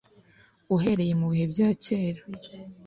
uhereye mu bihe bya kera